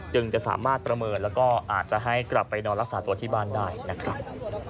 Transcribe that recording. จะสามารถประเมินแล้วก็อาจจะให้กลับไปนอนรักษาตัวที่บ้านได้นะครับ